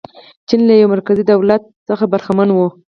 چین له یوه مرکزي دولت څخه برخمن و.